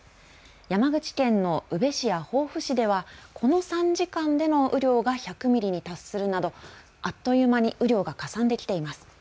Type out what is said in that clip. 山口県の宇部市や防府市ではこの３時間での雨量が１００ミリに達するなどあっという間に雨量がかさんできています。